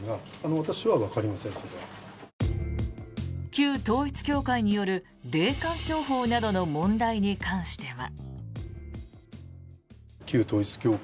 旧統一教会による霊感商法などの問題に関しては。